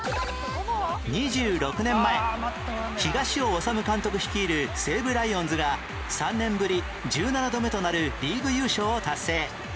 ２６年前東尾修監督率いる西武ライオンズが３年ぶり１７度目となるリーグ優勝を達成